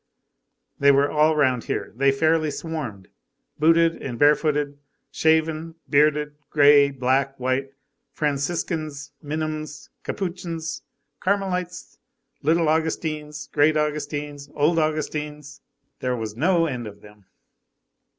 They were all round here, they fairly swarmed, booted and barefooted, shaven, bearded, gray, black, white, Franciscans, Minims, Capuchins, Carmelites, Little Augustines, Great Augustines, old Augustines—there was no end of them."